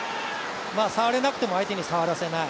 触れなくても、相手に触らせない。